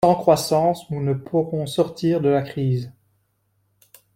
Sans croissance, nous ne pourrons sortir de la crise.